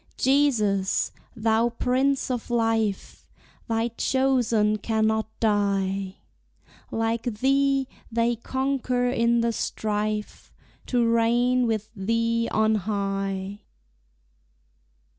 Jesus, thou Prince of Life, Thy chosen cannot die! Like Thee they conquer in the strife, To reign with Thee on high.